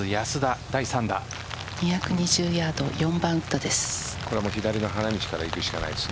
２２０ヤード４番ウッドです。